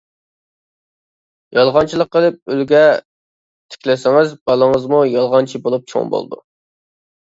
يالغانچىلىق قېلىپ ئۈلگە تىكلىسىڭىز بالىڭىزمۇ يالغانچى بولۇپ چوڭ بولىدۇ.